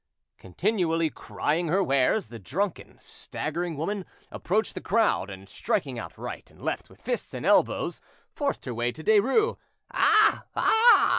Continually crying her wares, the drunken, staggering woman approached the crowd, and striking out right and left with fists and elbows, forced her way to Derues. "Ah! ah!"